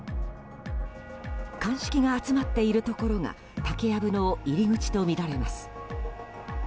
鑑識が集まっているところが竹やぶの入り口とみられます。